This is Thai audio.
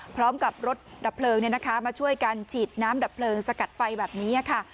พร้อมกับรถดับเพลิงมาช่วยกันฉีดน้ำดับเพลิงสกัดไฟแบบนี้ค่ะ